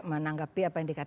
kalau kita terbuka